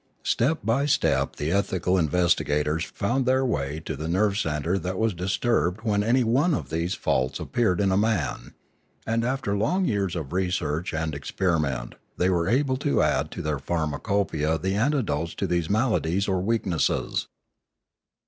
Step by step the ethical investigators found their way to the nerve centre that was disturbed when any one of these faults appeared in a man; and after long years of research and experiment they were able to add to their pharmacopoeia the antidotes to these maladies or weaknesses.